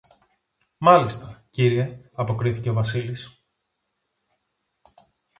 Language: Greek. Μάλιστα, Κύριε, αποκρίθηκε ο Βασίλης.